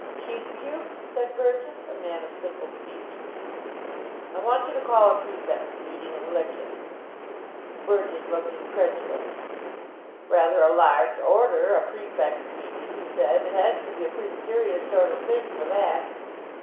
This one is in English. "Cheeked you?" said Burgess, a man of simple speech. "I want you to call a prefects' meeting, and lick him." Burgess looked incredulous. "Rather a large order, a prefects' meeting," he said. "It has to be a pretty serious sort of thing for that."